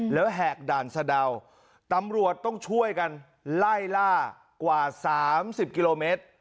แล้วแหกด่านสะดาวตำรวจต้องช่วยกันไล่ล่ากว่า๓๐กิโลเมตร